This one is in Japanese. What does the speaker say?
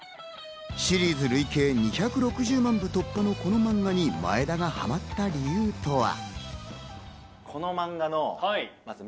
シリーズ累計２６０万部突破のこのマンガに前田がハマった理由とは。